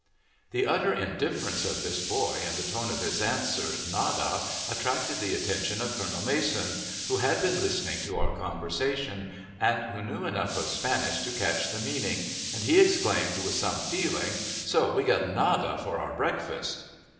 The utter indifference of this boy, and the tone of his answer "Nada," attracted the attention of Colonel Mason, who had been listening to our conversation, and who knew enough of Spanish to catch the meaning, and he exclaimed with some feeling, "So we get nada for our breakfast."